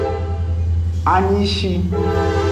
Anyishi.